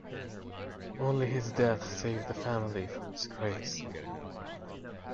Only his death saved the family from disgrace.